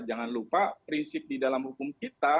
jangan lupa prinsip di dalam hukum kita